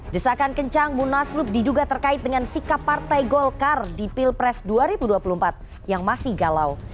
desakan kencang munaslup diduga terkait dengan sikap partai golkar di pilpres dua ribu dua puluh empat yang masih galau